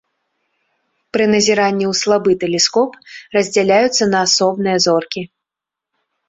Пры назіранні ў слабы тэлескоп раздзяляюцца на асобныя зоркі.